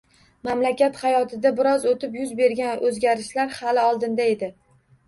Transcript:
Mamlakat hayotida biroz o‘tib yuz bergan o‘zgarishlar hali oldinda edi.